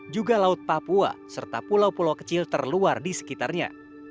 juga laut papua serta pulau pulau kecil terluar di sekitarnya